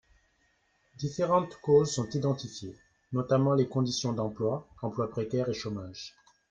Différentes causes sont identifiées, notamment les conditions d’emploi, emploi précaire et chômage.